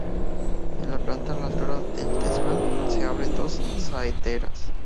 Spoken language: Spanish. En la planta a la altura del desván se abren dos saeteras.